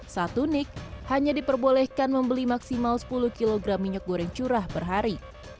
satu nik hanya diperbolehkan membeli maksimal sepuluh kg minyak goreng curah per hari